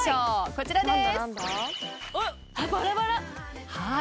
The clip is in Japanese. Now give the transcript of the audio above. こちらです。